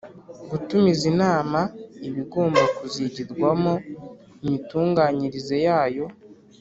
gutumiza inama ibigomba kuzigirwamo imitunganyirize yayo